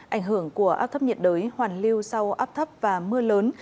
ảnh hưởng của áp thấp nhiệt đới hoàn lưu sau áp thấp và mưa lớn